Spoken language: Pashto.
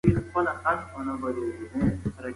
د هغوی خطر تر حقیقي کچې لوړیږي.